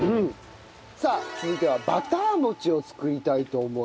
さあ続いてはバター餅を作りたいと思います。